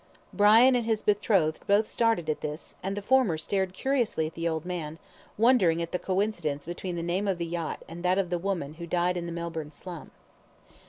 Brian and his betrothed both started at this, and the former stared curiously at the old man, wondering at the coincidence between the name of the yacht and that of the woman who died in the Melbourne slum.